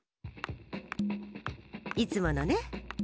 いつものね？